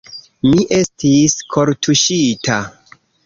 Mi estis kortuŝita.